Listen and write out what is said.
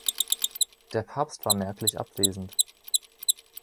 Der Papst war merklich abwesend.